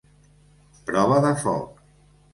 Prova de foc.